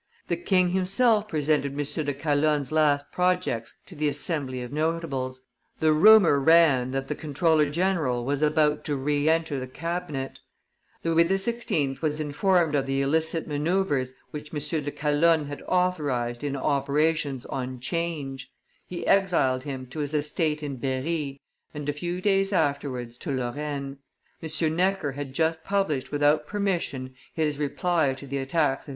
The king himself presented M. de Calonne's last projects to the Assembly of notables; the rumor ran that the comptroller general was about to re enter the cabinet. Louis XVI. was informed of the illicit manoeuvres which M. de Calonne had authorized in operations on 'Change: he exiled him to his estate in Berry, and a few days afterwards to Lorraine. M. Necker had just published without permission his reply to the attacks of M.